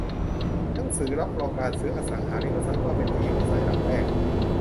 หนังสือรับรองการซื้ออสังหาริมทรัพย์ว่าเป็นที่อยู่อาศัยหลังแรก